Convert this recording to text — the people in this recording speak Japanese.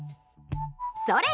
それ！